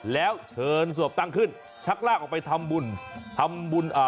แล้วเชิญศพตั้งขึ้นชักลากออกไปทำบุญทำบุญอ่า